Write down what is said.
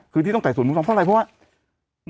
คือที่ต้องไต่สวนมูลฟ้องเพราะอะไรเพราะว่า